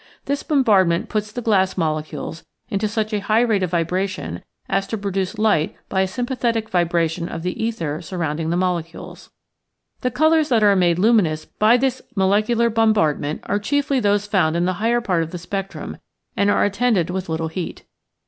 This bombardment puts the glass molecules into such a high rate of vibration as to produce light by a sympathetic vibration of the ether surrounding the mole cules. The colors that are made luminous by this molecular bombardment are chiefly those found in the higher part of the spectrum, and are attended with little heat.